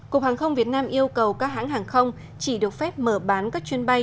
cục hàng không việt nam yêu cầu các hãng hàng không chỉ được phép mở bán các chuyến bay